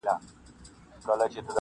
همېشه په ښو نمرو کامیابېدله,